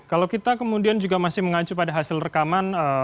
kalau kita kemudian juga masih mengacu pada hasil rekaman